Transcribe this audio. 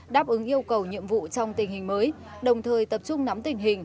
đáp ứng yêu cầu nhiệm vụ trong tình hình mới đồng thời tập trung nắm tình hình